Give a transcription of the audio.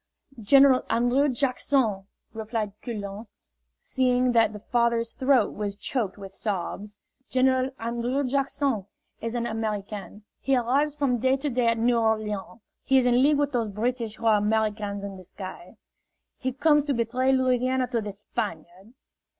"General An drrew Jack son," replied Coulon, seeing that the father's throat was choked with sobs, "General An drrew Jack son is an American. He arrives from day to day at New Orleans. He is in league with those British who are Americans in disguise. He comes to betray Louisiana to the Spaniard."